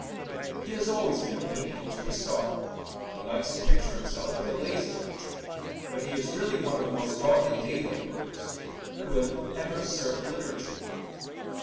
He has always been obedient to a star. He likes to picture himself as a lazy creature, but he is really one of the most dogged day labourers who have ever served literature.